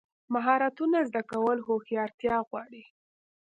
مهارتونه زده کول هوښیارتیا غواړي.